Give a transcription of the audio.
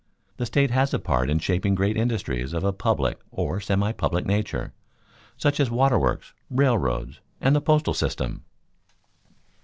The state has a part in shaping great industries of a public or semi public nature, such as waterworks, railroads, and the postal system.